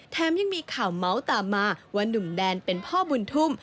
ยังมีข่าวเมาส์ตามมาว่านุ่มแดนเป็นพ่อบุญทุ่ม